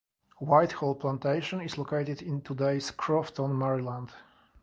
Whitehall Plantation is located in today's Crofton, Maryland.